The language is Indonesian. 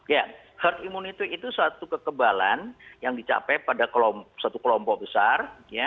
ya herd immunity itu suatu kekebalan yang dicapai pada satu kelompok besar